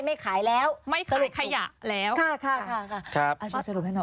ไม่ขายแล้วไม่ขายขยะแล้วค่ะค่ะค่ะ